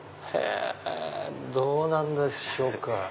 どうなんでしょうか。